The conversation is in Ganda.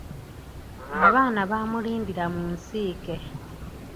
Abaana baamulindira mu Nsiike.